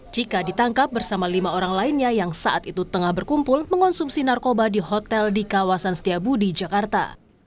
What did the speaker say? jika ditangkap bersama lima orang lainnya yang saat itu tengah berkumpul mengonsumsi narkoba di hotel di kawasan setiabudi jakarta